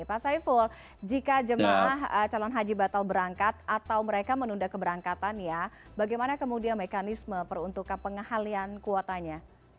pak saiful jika jemaah calon haji batal berangkat atau mereka menunda keberangkatan ya bagaimana kemudian mekanisme peruntukan pengalian kuotanya